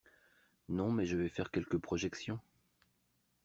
Non, mais je vais faire quelques projections.